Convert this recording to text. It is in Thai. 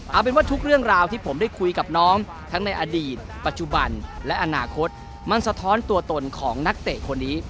เอาเป็นว่าทุกเรื่องราวที่ผมได้คุยกับน้องทั้งในอดีตปัจจุบันและอนาคตมันสะท้อนตัวตนของนักเตะคนนี้